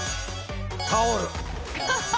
タオル。